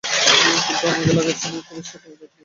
কিন্তু আমাকে যে লাগাচ্ছ না, সেটা তো দেখাই যাচ্ছে!